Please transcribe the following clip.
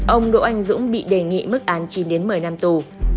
ông đỗ anh dũng bị đề nghị mức án chín đến một mươi năm tù